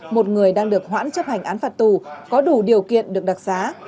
một người đang được hoãn chấp hành án phạt tù có đủ điều kiện được đặc xá